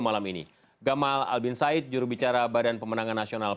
banyak elit elitnya itu banyak laganya